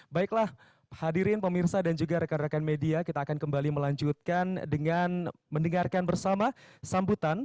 baiklah hadirin pemirsa dan juga rekan rekan media kita akan kembali melanjutkan dengan mendengarkan bersama sambutan